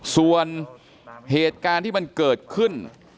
ส่วนเหตุการณ์ที่มันเกิดขึ้น